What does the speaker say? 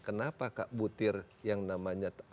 kenapa kak butir yang namanya